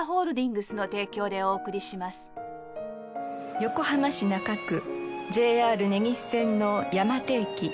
横浜市中区ＪＲ根岸線の山手駅。